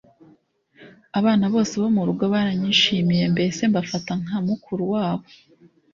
Abana bose bo mu rugo baranyishimiye mbese bamfata nka mukuru wabo